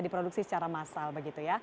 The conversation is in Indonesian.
diproduksi secara massal begitu ya